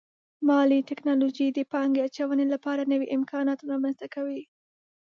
مالي ټکنالوژي د پانګې اچونې لپاره نوي امکانات رامنځته کوي.